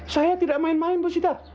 saya tidak main main bu sita